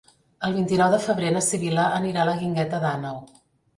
El vint-i-nou de febrer na Sibil·la anirà a la Guingueta d'Àneu.